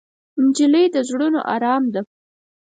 نجلۍ د زړونو ارام ده.